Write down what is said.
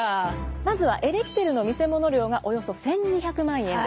まずはエレキテルの見せもの料がおよそ１，２００万円です。